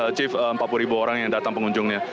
achieve empat puluh ribu orang yang datang pengunjungnya